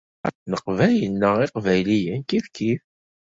Leqbayel neɣ Iqbayliyen kif kif.